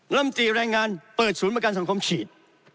ลำตีแรงงานเปิดศูนย์ประกันสังคมฉีด